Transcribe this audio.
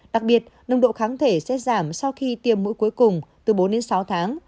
đặc biệt nồng độ kháng thể sẽ giảm sau khi tiêm mũi cuối cùng từ bốn đến sáu tháng